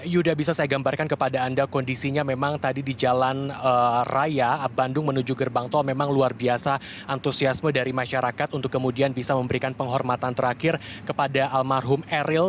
yuda bisa saya gambarkan kepada anda kondisinya memang tadi di jalan raya bandung menuju gerbang tol memang luar biasa antusiasme dari masyarakat untuk kemudian bisa memberikan penghormatan terakhir kepada almarhum eril